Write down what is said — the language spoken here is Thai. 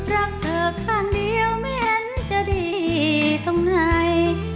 รักเธอข้างเดียวไม่เห็นจะดีตรงไหน